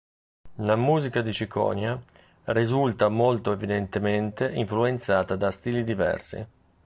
La musica di Ciconia risulta molto evidentemente influenzata da stili diversi.